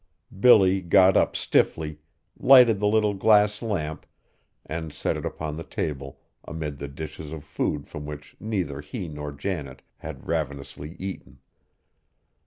Billy got up stiffly, lighted the little glass lamp and set it upon the table amid the dishes of food from which neither he nor Janet had ravenously eaten.